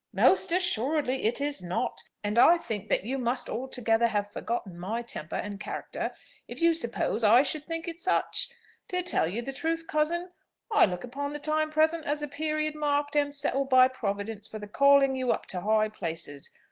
"Most assuredly it is not! and I think that you must altogether have forgotten my temper and character, if you suppose that I should think it such. To tell you the truth, cousin, I look upon the time present as a period marked and settled by Providence for the calling you up to the high places.